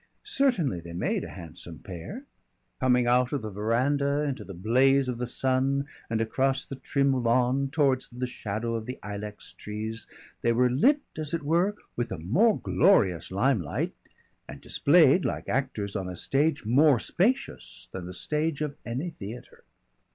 Certainly they made a handsome pair. Coming out of the veranda into the blaze of the sun and across the trim lawn towards the shadow of the ilex trees, they were lit, as it were, with a more glorious limelight, and displayed like actors on a stage more spacious than the stage of any theatre.